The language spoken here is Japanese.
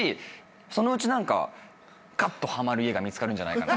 そのうち何かがっとはまる家が見つかるんじゃないかな。